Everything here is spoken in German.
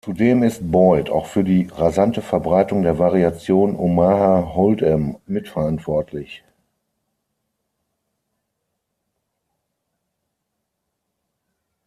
Zudem ist Boyd auch für die rasante Verbreitung der Variation "Omaha Hold’em" mitverantwortlich.